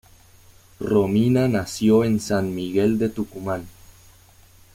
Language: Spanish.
Romina nació en San Miguel de Tucumán.